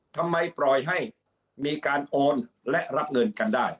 ทำไมปล่อยให้มีการโอนและรับเงินกันได้